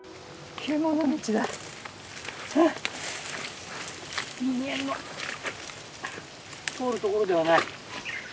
人間の通るところではない。